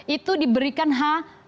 itu diberikan h tujuh